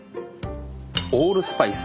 オールスパイス。